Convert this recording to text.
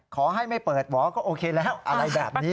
ขอให้ไม่เปิดหวอก็โอเคแล้วอะไรแบบนี้